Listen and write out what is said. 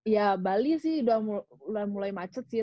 ya bali sih udah mulai macet sih